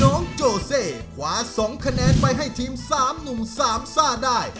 น้องโจเซขวาสองคะแนนไปให้ทีมสามหนุ่มสามซ่าได้